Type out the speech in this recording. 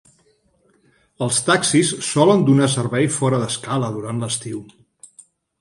Els taxis solen donar servei fora de Skala durant l'estiu.